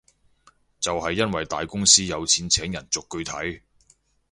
就係因為大公司有錢請人逐句睇